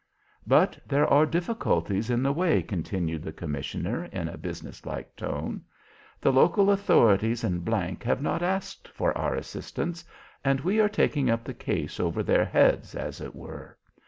"But there are difficulties in the way," continued the commissioner in a business like tone. "The local authorities in G have not asked for our assistance, and we are taking up the case over their heads, as it were.